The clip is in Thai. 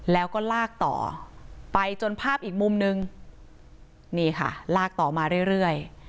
แล้วก็ลากต่อไปจนภาพอีกมุมนึงนี่ค่ะลากต่อมาเรื่อย